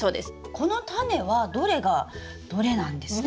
このタネはどれがどれなんですか？